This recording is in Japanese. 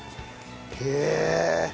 へえ！